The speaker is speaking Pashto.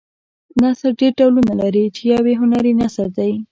نثر ډېر ډولونه لري چې یو یې هنري نثر دی.